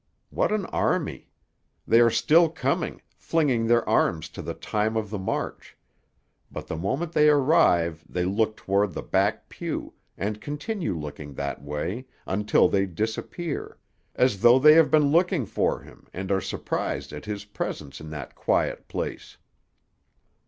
What an army! They are still coming, flinging their arms to the time of the march; but the moment they arrive they look toward the back pew, and continue looking that way, until they disappear; as though they have been looking for him, and are surprised at his presence in that quiet place.